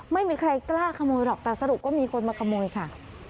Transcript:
ไม่มีใครกล้าขโมยหรอกแต่สรุปก็มีคนมาขโมยค่ะ